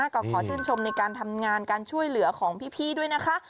ก็ขอชื่นชมในการทำงานการช่วยเหลือของพี่ด้วยนะคะ